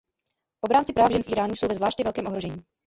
Obránci práv žen v Íránu jsou ve zvláště velkém ohrožení.